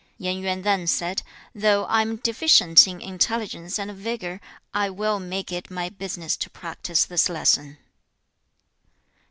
Yen Yuan then said, 'Though I am deficient in intelligence and vigour, I will make it my business to practise this lesson.'